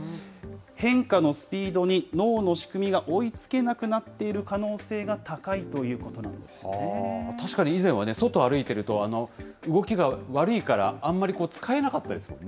変化のスピードに脳の仕組みが追いつけなくなっている可能性が高確かに以前は外歩いてると、動きが悪いからあんまり使えなかったですもんね。